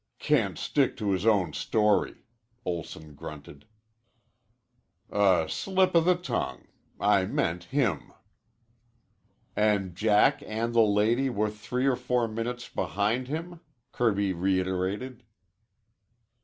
"Can't stick to his own story," Olson grunted. "A slip of the tongue. I meant him." "And Jack and the lady were three or four minutes behind him?" Kirby reiterated.